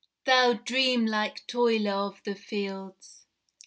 Thou dream like toiler of the fields!